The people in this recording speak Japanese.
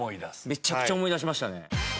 めちゃくちゃ思い出しましたね。